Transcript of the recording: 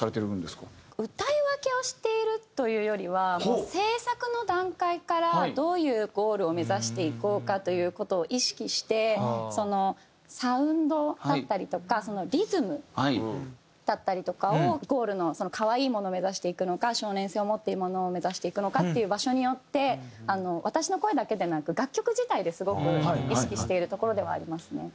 歌い分けをしているというよりはもう制作の段階からどういうゴールを目指していこうかという事を意識してそのサウンドだったりとかそのリズムだったりとかをゴールの可愛いものを目指していくのか少年性を持っているものを目指していくのかっていう場所によって私の声だけでなく楽曲自体ですごく意識しているところではありますね。